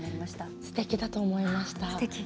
すてきだと思いました。